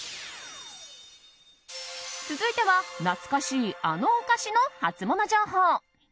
続いては懐かしいあのお菓子のハツモノ情報。